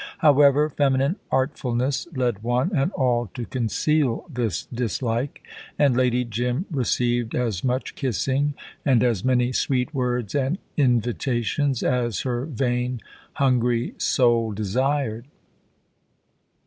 However, feminine artfulness led one and all to conceal this dislike, and Lady Jim received as much kissing and as many sweet words and invitations as her vain, hungry soul desired.